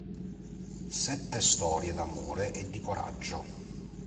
Sette storie d'amore e di coraggio".